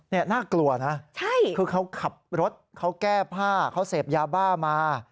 นี่น่ากลัวนะคือเขาขับรถเขาแก้ผ้าเขาเสพยาบ้ามา